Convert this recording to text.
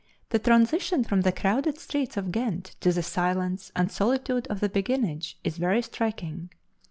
The transition from the crowded streets of Ghent to the silence and solitude of the Beguinage is very striking.